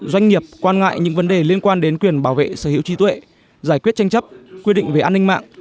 doanh nghiệp quan ngại những vấn đề liên quan đến quyền bảo vệ sở hữu trí tuệ giải quyết tranh chấp quy định về an ninh mạng